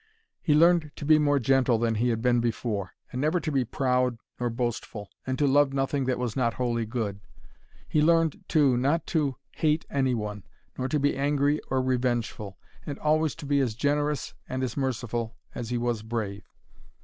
He learned to be more gentle than he had been before, and never to be proud nor boastful, and to love nothing that was not wholly good. He learned, too, not to hate any one, nor to be angry or revengeful, and always to be as generous and as merciful as he was brave.